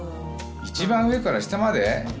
一番上から下まで？